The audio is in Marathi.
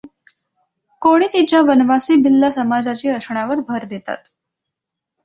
कोणी तिच्या वनवासी भिल्ल समाजाची असण्यावर भर देतात.